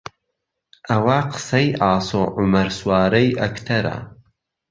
ئەوە قسەی ئاسۆ عومەر سوارەی ئەکتەرە